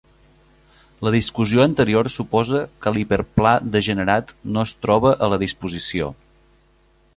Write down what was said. La discussió anterior suposa que l'hiperplà degenerat no es troba a la disposició.